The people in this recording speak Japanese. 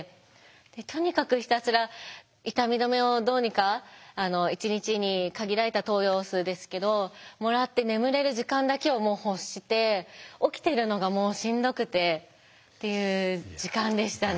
とにかくひたすら痛み止めをどうにか１日に限られた投与数ですけどもらって眠れる時間だけを欲して起きてるのがもうしんどくてっていう時間でしたね。